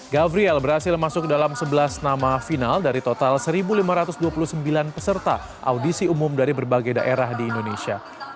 gavriel berhasil masuk dalam sebelas nama final dari total satu lima ratus dua puluh sembilan peserta audisi umum dari berbagai daerah di indonesia